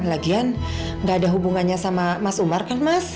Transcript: lagian nggak ada hubungannya sama mas umar kan mas